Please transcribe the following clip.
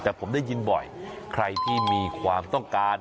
แต่ผมได้ยินบ่อยใครที่มีความต้องการ